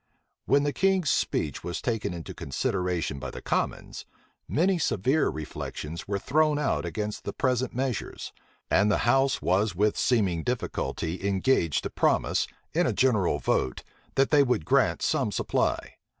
When the king's speech was taken into consideration by the commons, many severe reflections were thrown out against the present measures; and the house was with seeming difficulty engaged to promise, in a general vote, that they would grant some supply.